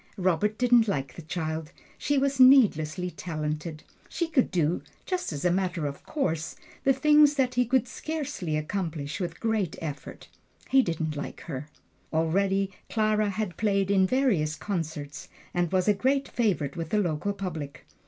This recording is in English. Robert didn't like the child she was needlessly talented. She could do, just as a matter of course, the things that he could scarcely accomplish with great effort. He didn't like her. Already Clara had played in various concerts, and was a great favorite with the local public.